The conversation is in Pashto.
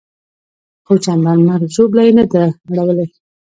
خو چندان مرګ ژوبله یې نه ده اړولې.